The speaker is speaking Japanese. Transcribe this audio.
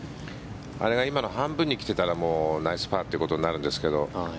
あれが今の半分に来ていたらナイスパーということになるんですが。